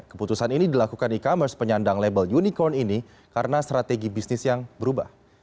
keputusan ini dilakukan e commerce penyandang label unicorn ini karena strategi bisnis yang berubah